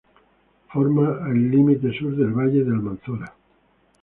Forma el límite sur del Valle del Almanzora.